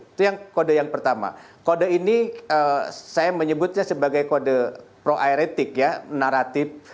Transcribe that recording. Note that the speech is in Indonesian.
itu yang kode yang pertama kode ini saya menyebutnya sebagai kode pro aeretik ya naratif